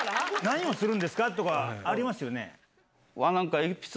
何をするんですか？とかありますよね。